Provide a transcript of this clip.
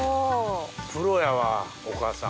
プロやわお母さん。